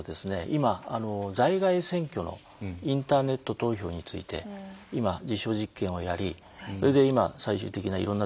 今在外選挙のインターネット投票について今実証実験をやりそれで今最終的ないろんなですね